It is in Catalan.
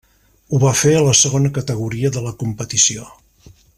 Ho va fer a la segona categoria de la competició.